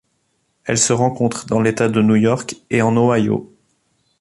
Elle se rencontre dans l'État de New York et en Ohio.